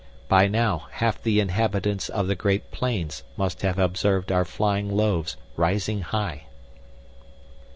By now, half the inhabitants of the Great Plains must have observed our flying loaves rising high."